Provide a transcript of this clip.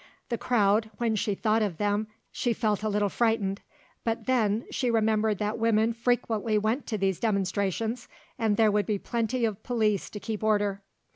The crowd, when she thought of them she felt a little frightened, but then she remembered that women frequently went to these demonstrations, and there would be plenty of police to keep order.